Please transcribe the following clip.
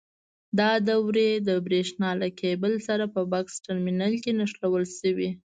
دا دورې د برېښنا له کېبل سره په بکس ټرمینل کې نښلول شوي.